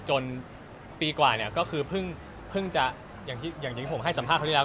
จนปีกว่าเนี่ยก็คือเพิ่งจะอย่างที่ผมให้สัมภาษณ์เขาที่แล้ว